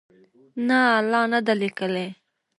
نه، لا نه ده لیکلې